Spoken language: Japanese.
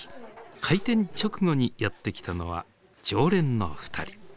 開店直後にやって来たのは常連のふたり。